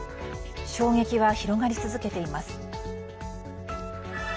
衝撃は広がり続けています。